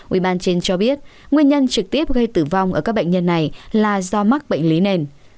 ubnd trên cho biết nguyên nhân trực tiếp gây tử vong ở các bệnh nhân này là do mắc bệnh lý nền